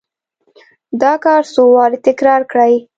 دا کار څو واره تکرار کړئ.